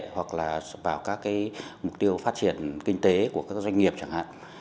hoặc là vào các mục tiêu phát triển kinh tế của các doanh nghiệp chẳng hạn